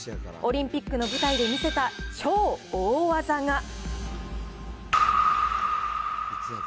オリンピックの舞台で見せた超大技が。